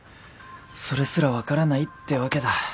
それすらわからないってわけだ。